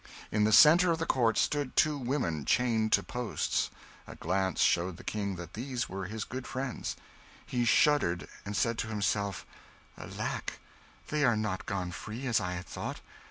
In the centre of the court stood two women, chained to posts. A glance showed the King that these were his good friends. He shuddered, and said to himself, "Alack, they are not gone free, as I had thought.